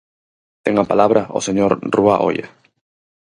Ten a palabra o señor Rúa Oia.